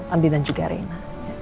andi dan juga rena